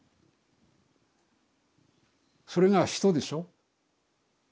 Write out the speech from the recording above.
それが人でしょ。